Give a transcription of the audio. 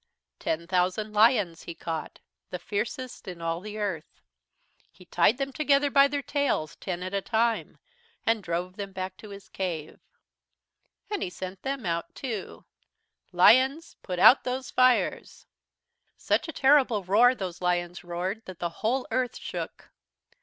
Ten thousand lions he caught, the fiercest in all the Earth. He tied them together by their tails, ten at a time, and drove them back to his cave. "And he sent them out too. "'Lions, put out those fires!' "Such a terrible roar those lions roared that the whole Earth shook.